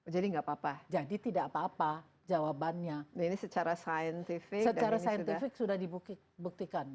jadi gak apa apa jadi tidak apa apa jawabannya ini secara scientific dan ini sudah secara scientific sudah dibuktikan